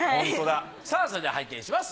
さあそれでは拝見します。